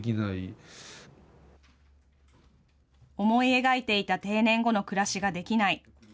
思い描いていた定年後の暮らしができない。